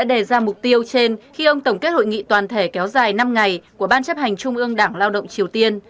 đề ra mục tiêu trên khi ông tổng kết hội nghị toàn thể kéo dài năm ngày của ban chấp hành trung ương đảng lao động triều tiên